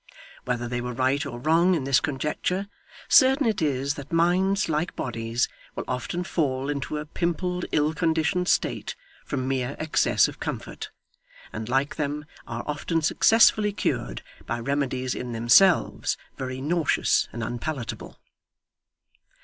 Whether they were right or wrong in this conjecture, certain it is that minds, like bodies, will often fall into a pimpled ill conditioned state from mere excess of comfort, and like them, are often successfully cured by remedies in themselves very nauseous and unpalatable.